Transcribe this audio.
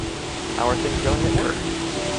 How are things going at work?